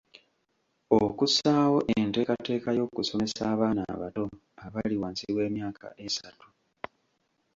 Okussaawo enteekateeka y’okusomesa abaana abato abali wansi w’emyaka esatu.